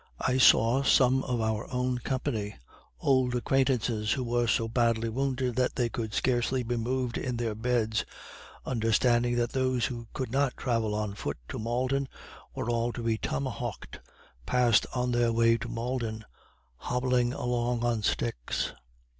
I saw some of our own company old acquaintances who were so badly wounded that they could scarcely be moved in their beds, understanding that those who could not travel on foot to Malden were all to be tomahawked, pass on their way to Malden, hobbling along on sticks.